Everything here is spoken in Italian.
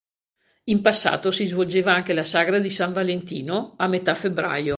In passato si svolgeva anche la sagra di San Valentino, a metà febbraio.